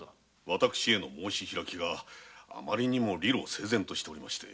私への申し開きがあまりに理路整然としておりまして。